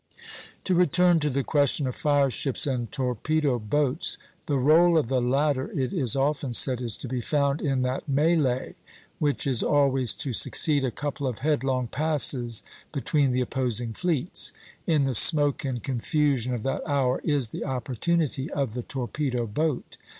To return to the question of fire ships and torpedo boats, the rôle of the latter, it is often said, is to be found in that mêlée which is always to succeed a couple of headlong passes between the opposing fleets. In the smoke and confusion of that hour is the opportunity of the torpedo boat.